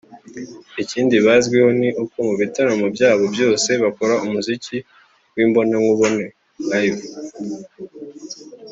Ikindi bazwiho ni uko mu bitaramo byabo byose bakora umuziki w’imbonankubone (live)